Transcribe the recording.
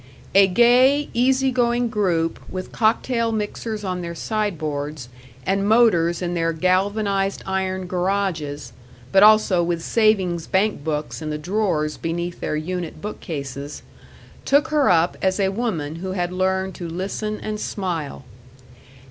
A gay, easy going group, with cocktail mixers on their sideboards, and motors in their galvanized iron garages, but also with savings bank books in the drawers beneath their unit bookcases, took her up as a woman who had learned to listen and smile.